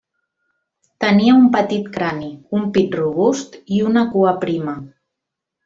Tenia un petit crani, un pit robust i una cua prima.